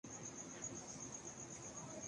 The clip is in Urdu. نہ حکمران کفر بواح کے مرتکب ہیں۔